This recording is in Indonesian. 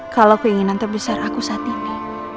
kalau keinginan terbesar aku saat ini